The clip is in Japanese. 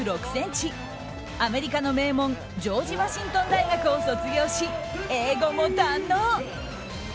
アメリカの名門ジョージ・ワシントン大学を卒業し英語も堪能。